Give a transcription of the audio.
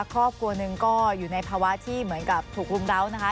ครอบครัวหนึ่งก็อยู่ในภาวะที่เหมือนกับถูกรุมร้าวนะคะ